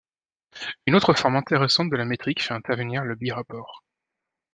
Une autre forme intéressante de la métrique fait intervenir le birapport.